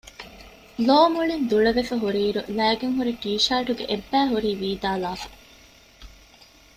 ލޯ މުޅިން ދުޅަވެފަ ހުރި އިރު ލައިގެން ހުރި ޓީޝާޓުގެ އެއްބައި ހުރީ ވީދާލާފަ